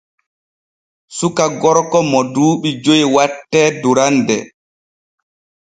Suka gorko mo duuɓi joy wattee durande.